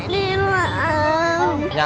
bố mẹ đi làm